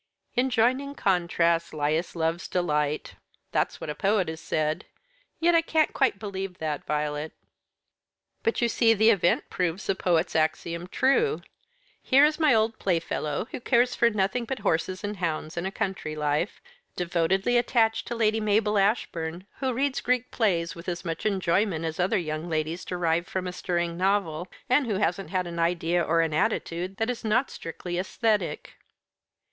"'In joining contrasts lieth love's delight.' That's what a poet has said, yet I can't quite believe that, Violet." "But you see the event proves the poet's axiom true. Here is my old playfellow, who cares for nothing but horses and hounds and a country life, devotedly attached to Lady Mabel Ashbourne, who reads Greek plays with as much enjoyment as other young ladies derive from a stirring novel, and who hasn't an idea or an attitude that is not strictly aesthetic."